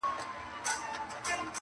نور د سپي امتیاز نه سمه منلای٫